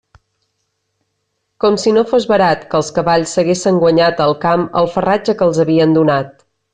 Com si no fos barat que els cavalls s'haguessen guanyat al camp el farratge que els havien donat.